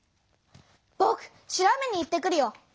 ぼく調べに行ってくるよ！